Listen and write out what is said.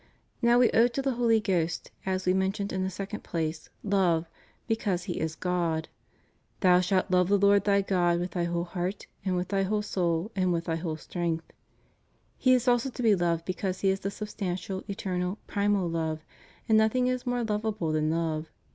Now we owe to the Holy Ghost, as we mentioned in the second place, love, because He is God: Thou shall love the Lord thy God vnth thy whole heart, and with thy whole soul, and with thy whole strength} He is also to be loved because He is the substantial, eternal, primal Love, and nothing is more lovable than love.